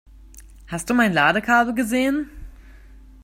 Hast du mein Ladekabel gesehen?